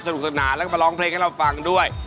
สนุกสนานแล้วก็มาร้องเพลงให้เราฟังด้วย